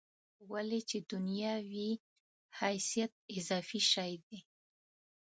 ولې چې دنیا وي حیثیت اضافي شی دی.